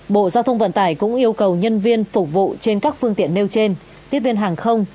bộ giao thông vận tải cũng yêu cầu nhân viên phục vụ trên các phương tiện nêu trên tiếp viên hàng không